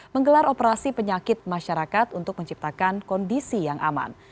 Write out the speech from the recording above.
menggelar operasi penyakit masyarakat untuk menciptakan kondisi yang aman